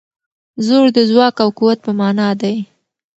زور د ځواک او قوت په مانا دی.